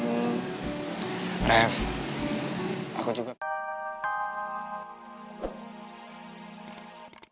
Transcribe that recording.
aku juga pengen ikut kasih support kamu